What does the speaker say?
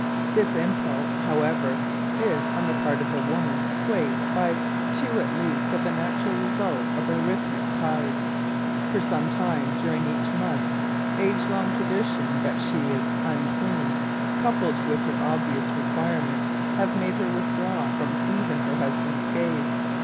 This impulse, however, is, on the part of the woman, swayed by two at least of the natural results of her rhythmic tides. For some time during each month, age long tradition that she is " unclean," coupled with her obvious requirements, have made her withdraw herself from even her husband's gaze.